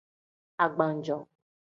Agbannjo.